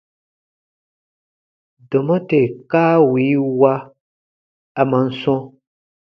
Dɔma tè kaa wii wa, a man sɔ̃: